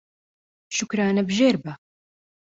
شوکرانەبژێر بە